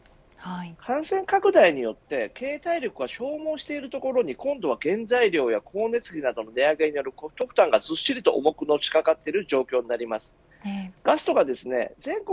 感染拡大によって経営体力が消耗しているところに今度は原材料や光熱費などの値上げによるコスト負担がずしりと重くのしかかっています。